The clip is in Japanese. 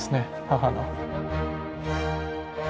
母の。